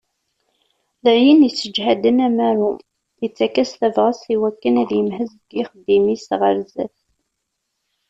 D ayen yesseǧhaden amaru, yettak-as tabɣest i wakken ad yemhez deg yixeddim-is ɣer sdat.